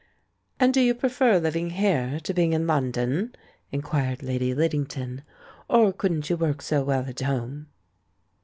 "And do you prefer living here to being in London?" inquired Lady Liddington; "or couldn't you work so well at home?"